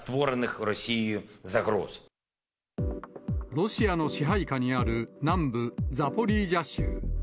ロシアの支配下にある南部ザポリージャ州。